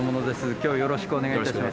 今日はよろしくお願いいたします。